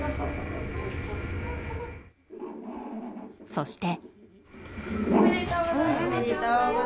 そして。